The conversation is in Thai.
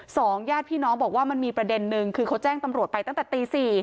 ญาติพี่น้องบอกว่ามันมีประเด็นนึงคือเขาแจ้งตำรวจไปตั้งแต่ตีสี่